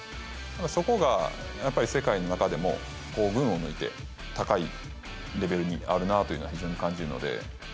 そこがやっぱり世界の中でも、群を抜いて高いレベルにあるなというのは非常に感じるので。